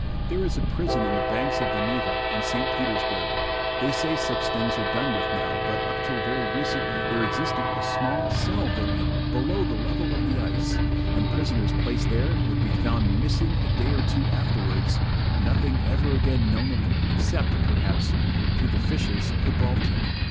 There is a prison on the banks of the Neva, in St. Petersburg. They say such things are done with now, but up till very recently there existed a small cell therein, below the level of the ice, and prisoners placed there would be found missing a day or two afterwards, nothing ever again known of them, except, perhaps, to the fishes of the Baltic.